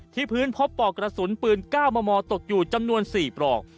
พื้นพบปลอกกระสุนปืน๙มมตกอยู่จำนวน๔ปลอก